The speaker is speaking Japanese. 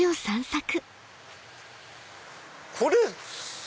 これ。